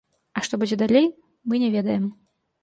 А што будзе далей, мы не ведаем.